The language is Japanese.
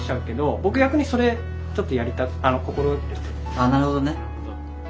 ああなるほどね。